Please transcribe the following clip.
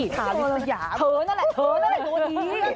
เทอร์นั่นแหละตัวดี